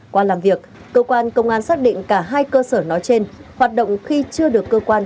qua làm việc cơ quan công an xác định cả hai cơ sở nói trên hoạt động khi chưa được cơ quan